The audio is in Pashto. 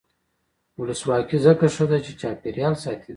ولسواکي ځکه ښه ده چې چاپیریال ساتي.